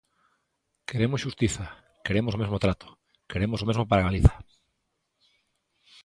Queremos xustiza, queremos o mesmo trato, queremos o mesmo para Galiza.